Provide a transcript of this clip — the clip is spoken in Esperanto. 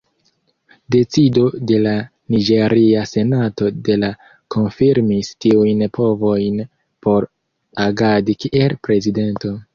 Decido de la Niĝeria Senato de la konfirmis tiujn povojn por agadi kiel Prezidento.